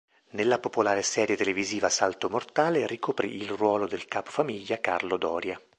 Nella popolare serie televisiva "Salto Mortale" ricoprì il ruolo del capo famiglia "Carlo Doria".